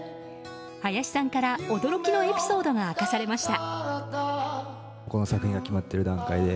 林さんから驚きのエピソードが明かされました。